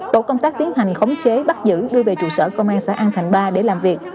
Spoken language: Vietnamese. tổ công tác tiến hành khống chế bắt giữ đưa về trụ sở công an xã an thành ba để làm việc